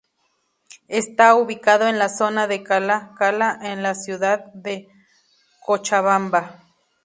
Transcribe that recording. Está ubicado en la zona de Cala Cala, en la ciudad de Cochabamba.